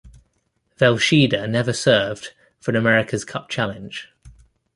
"Velsheda" never served for an America's Cup challenge.